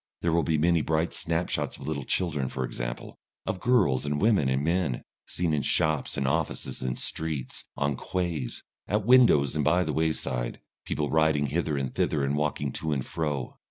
There will be many bright snapshots of little children, for example, of girls and women and men, seen in shops and offices and streets, on quays, at windows and by the wayside, people riding hither and thither and walking to and fro.